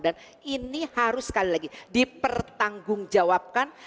dan ini harus sekali lagi dipertanggungjawabkan